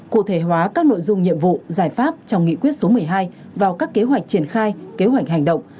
cụ thể hóa các nội dung nhiệm vụ giải pháp trong nghị quyết số một mươi hai vào các kế hoạch triển khai kế hoạch hành động